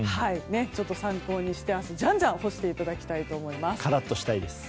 参考にして明日じゃんじゃん干していただきたいと思います。